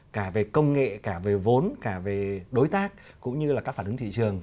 cả về công nghệ cả về vốn cả về đối tác cũng như là các phản ứng thị trường